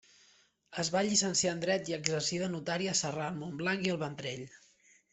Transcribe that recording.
Es va llicenciar en dret i exercí de notari a Sarral, Montblanc i el Vendrell.